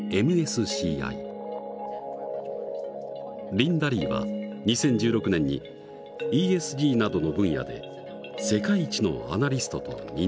リンダ・リーは２０１６年にＥＳＧなどの分野で世界一のアナリストと認定された。